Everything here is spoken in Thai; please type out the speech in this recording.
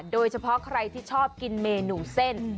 โดยเฉพาะใครที่ชอบกินเมนูเส้น